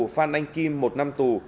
phan anh kim một năm tù